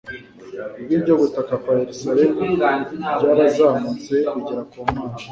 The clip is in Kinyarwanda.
ijwi ryo gutaka kwa Yerusalemu ryarazamutse rigera ku mana